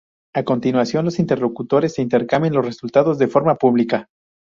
A continuación los interlocutores se intercambian los resultados de forma pública.